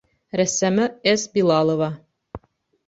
Рәссамы С. Билалова